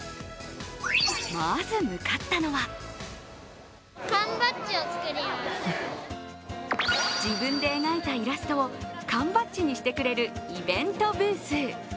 まず向かったのは自分で描いたイラストを缶バッジにしてくれるイベントブース。